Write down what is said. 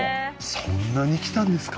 そんなに来たんですか？